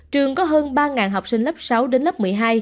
trường có hơn ba học sinh lớp sáu đến lớp một mươi hai